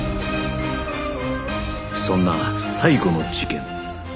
そんな最後の事件